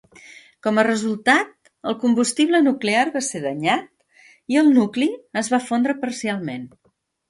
Com a resultat, el combustible nuclear va ser danyat i el nucli es va fondre parcialment.